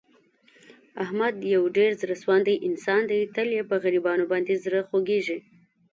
احمد یو ډېر زړه سواندی انسان دی. تل یې په غریبانو باندې زړه خوګېږي.